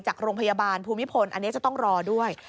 จากโรงพยาบาลภูมิพลอันนี้จะต้องรอด้วย